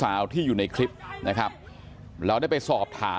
แม่ขี้หมาเนี่ยเธอดีเนี่ยเธอดีเนี่ยเธอดีเนี่ย